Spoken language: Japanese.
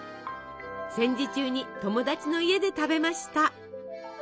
戦時中に友達の家で食べました。